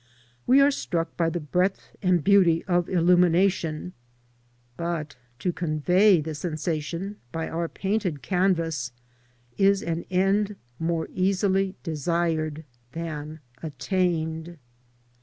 We are struck by the breadth and beauty of illumination, but to convey the sensation by our painted canvas is an end more easily desired than attained.